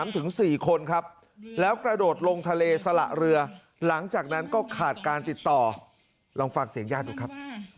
ทะเลสละเรือหลังจากนั้นก็ขาดการติดต่อลองฟังเสียงยาดหนูครับ